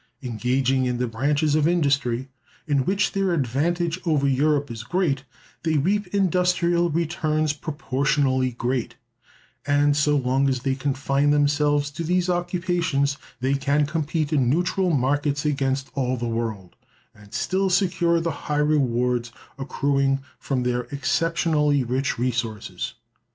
Engaging in the branches of industry in which their advantage over Europe is great, they reap industrial returns proportionally great; and, so long as they confine themselves to these occupations, they can compete in neutral markets against all the world, and still secure the high rewards accruing from their exceptionally rich resources.